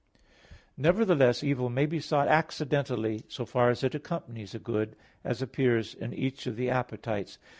Nevertheless evil may be sought accidentally, so far as it accompanies a good, as appears in each of the appetites.